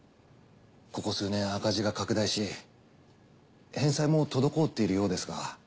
ここ数年赤字が拡大し返済も滞っているようですが。